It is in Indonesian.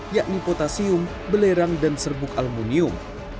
yakni potasium belerang dan serbuk aluminium